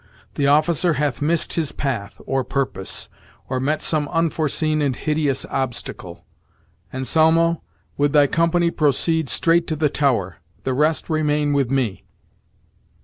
The officer hath miss'd his path, or purpose, Or met some unforeseen and hideous obstacle. Anselmo, with thy company proceed Straight to the tower; the rest remain with me."